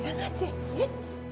jangan lah cek